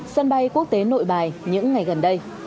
sân bay quốc tế nội bài những ngày gần đây